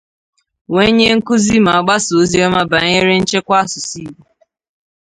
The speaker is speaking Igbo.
wee nye nkụzi ma gbasàá oziọma banyere nchekwa asụsụ Igbo